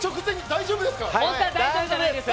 大丈夫です。